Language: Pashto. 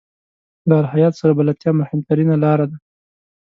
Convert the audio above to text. له الهیاتو سره بلدتیا مهمترینه لاره ده.